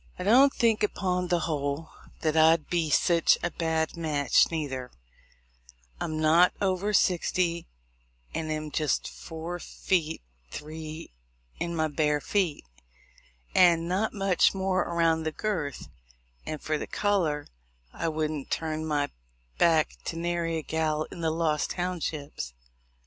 And I don't think, upon the whole, that I'd be sich a bad match neither: I'm not over sixty, and am jist four feet three in my bare feet, and not much more around the girth; and for color, I wouldn't turn my back to nary a gal in the Lost Townships.